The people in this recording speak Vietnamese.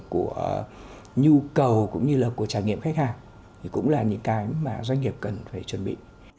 của nhu cầu cũng như là của trải nghiệm khách hàng thì cũng là những cái mà doanh nghiệp cần phải chuẩn bị